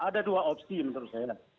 dua opsi menurut saya